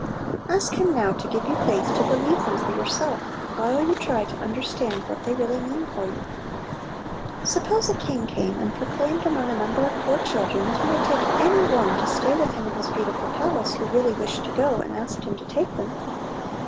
Ask Him now to give you faith to be lieve them for yourself, while you try to understand what they really mean for you. Suppose a king came and proclaimed among a number of poor children that he would take any one to stay with him in his beautiful palace, who really wished to go and asked him to take them.